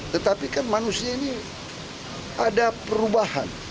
tetapi kan manusia ini ada perubahan